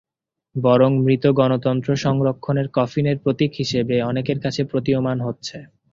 বরং মৃত গণতন্ত্র সংরক্ষণের কফিনের প্রতীক হিসেবে অনেকের কাছে প্রতীয়মান হচ্ছে।